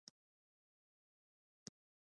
ایا زه باید په مزار کې اوسم؟